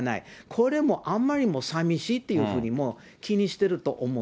これもあんまりにもさみしいっていうふうにも気にしていると思う